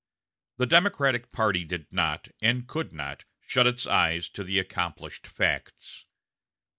The Democratic party did not, and could not, shut its eyes to the accomplished facts.